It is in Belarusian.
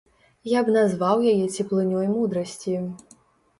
Я б назваў яе цеплынёй мудрасці.